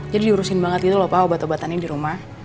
jadi diurusin banget gitu loh pak obat obatannya dirumah